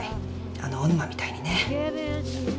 あの小沼みたいにね。